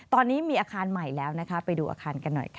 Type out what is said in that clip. ตอนนี้มีอาคารใหม่แล้วนะคะไปดูอาคารกันหน่อยค่ะ